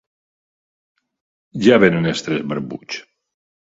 Ja venen els tres barbuts!